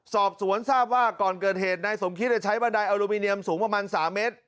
สอบสวนทราบว่าก่อนเกิดเหตุนายสมคิดใช้บันไดอลูมิเนียมสูงประมาณ๓เมตร